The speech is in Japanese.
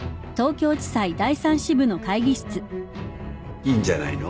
いいんじゃないの？